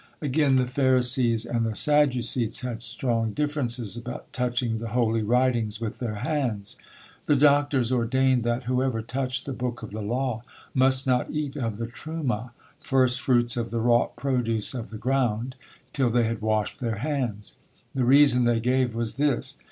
Again, the Pharisees and the Sadducees had strong differences about touching the holy writings with their hands. The doctors ordained that whoever touched the book of the law must not eat of the truma (first fruits of the wrought produce of the ground), till they had washed their hands. The reason they gave was this.